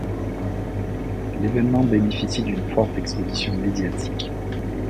L'événement bénéficie d'une forte exposition médiatique.